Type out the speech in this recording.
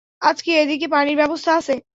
আজ কি এদিকে পানির ব্যাবস্থা আছে?